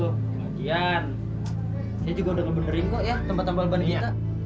kemudian saya juga sudah membenarkan tempat tambal ban kita